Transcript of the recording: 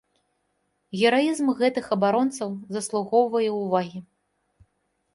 Гераізм гэтых абаронцаў заслугоўвае ўвагі.